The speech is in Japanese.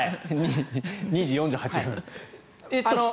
２時４８分。